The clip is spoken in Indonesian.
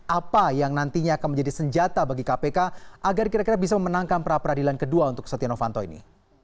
apa yang nantinya akan menjadi senjata bagi kpk agar kira kira bisa memenangkan pra peradilan kedua untuk setia novanto ini